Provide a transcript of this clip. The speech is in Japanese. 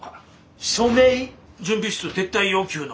署名準備室撤退要求の。